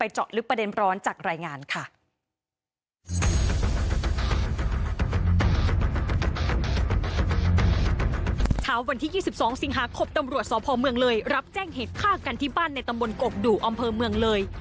เช้าวันที่๒๒สิงหาคมตำรวจสพเมืองเลยรับแจ้งเหตุฆ่ากันที่บ้านในตำบลกกดุอำเภอเมืองเลย